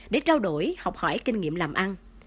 để trao đổi học hỏi kinh nghiệm làm ăn